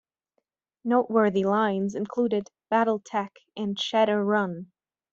Noteworthy lines included "BattleTech" and "Shadowrun".